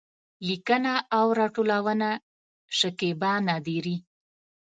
لیکنه او راټولونه: شکېبا نادري